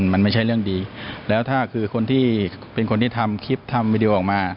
มันไม่ใช่เรื่องดีแล้วถ้าคือคนที่เป็นคนที่ทำคลิปทำวิดีโอออกมา